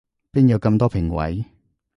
邊有咁多評委